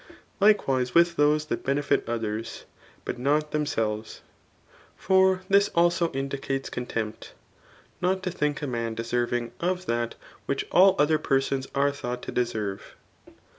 Likewise with those th^t benefit otb^s, bUt not th^^selves i for this also indicates contempt^ npt to libiok a man deserving of that which all other persons aie thought to deserve.